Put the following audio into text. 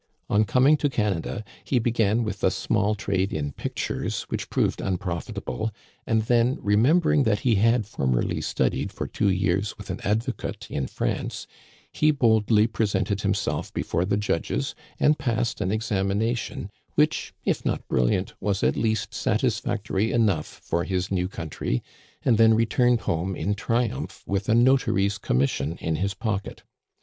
On coming to Canada he began with a small trade in pictures which proved unprofitable, and then, remem bering that he had formerly studied for two years with an advocate in France, he boldly presented himself be fore the judges, and passed an examination, which, if not brilliant, was at least satisfactory enough for his new country, and then returned home in triumph with a notary's commission in his pocket.